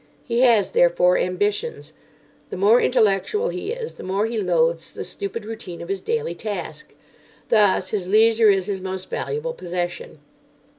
He has, therefore, ambitions. The more intellectual he is the more he loathes the stupid routine of his daily task. Thus his leisure is his most valuable possession.